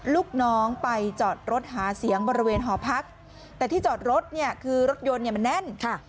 ลูกน้องไปจอดรถหาเสียงบริเวณหอพักแต่ที่จอดรถเนี่ยคือรถยนต์เนี่ยมันแน่นค่ะ